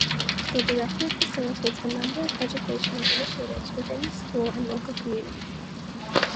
The director facilitates a number of educational initiatives within the school and local community.